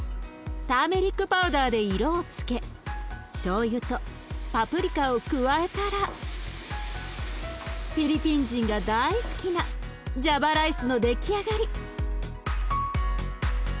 ターメリック・パウダーで色をつけしょうゆとパプリカを加えたらフィリピン人が大好きなジャバライスの出来上がり。